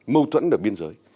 mâu thuẫn ở biên giới